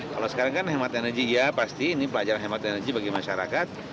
kalau sekarang kan hemat energi ya pasti ini pelajaran hemat energi bagi masyarakat